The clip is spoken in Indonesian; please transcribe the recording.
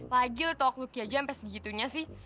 lagi lo tolak lucky aja sampe segitunya sih